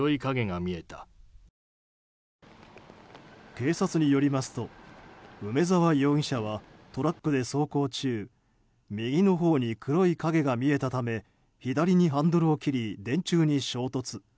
警察によりますと梅沢容疑者はトラックで走行中、右のほうに黒い影が見えたため左にハンドルを切り電柱に衝突。